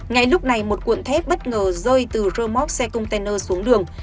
ngay lúc này một cuộn thép bất ngờ rơi từ rơ móc xe công ty xuống đường